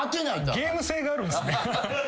ゲーム性があるんすね。